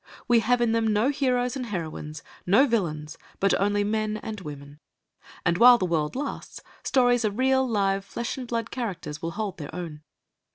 We have in them no heroes and heroines, no villains, but only men and women; and while the world lasts stories of real live flesh and blood characters will hold their own.